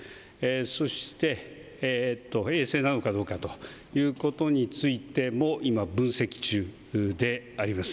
そして、衛星なのかどうかということについても、今、分析中であります。